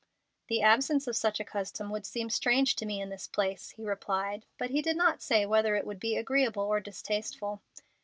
"The absence of such a custom would seem strange to me in this place," he replied, but he did not say whether it would be agreeable or distasteful.